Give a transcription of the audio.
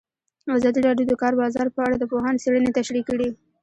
ازادي راډیو د د کار بازار په اړه د پوهانو څېړنې تشریح کړې.